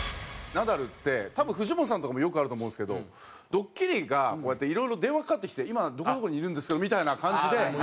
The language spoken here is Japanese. ナダルって多分藤本さんとかもよくあると思うんですけどドッキリがこうやっていろいろ電話かかってきて「今どこどこにいるんですけど」みたいな感じで。